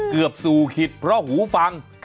เกือบสู่ขิตเพราะหูฟัง